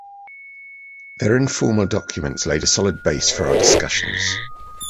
Their informal documents laid a solid base for our discussions.